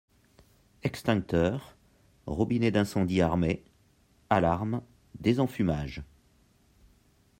Extincteurs, robinet d’incendie armé, alarme, désenfumage.